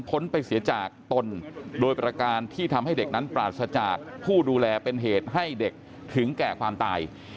้นไปเสียจากตนโดยประการที่ทำให้เด็กนั้นปราศจากผู้ดูแลเป็นเหตุให้เด็กถึงแก่ความตาย